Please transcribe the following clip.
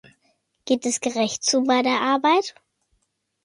Geht es gerecht zu bei der Arbeit?